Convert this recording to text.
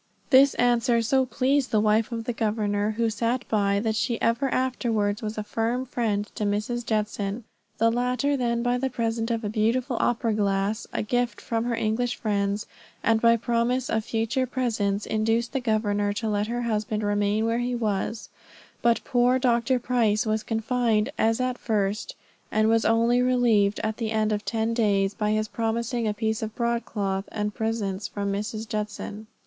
This answer so pleased the wife of the governor, who sat by, that she ever afterwards was a firm friend to Mrs. Judson. The latter then by the present of a beautiful opera glass, a gift from her English friends, and by promises of future presents, induced the governor to let her husband remain where he was; but poor Dr. Price was confined as at first, and was only relieved at the end of ten days, by his promising a piece of broadcloth, and presents from Mrs. Judson.